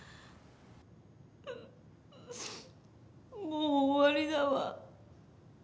もう終わりだわ。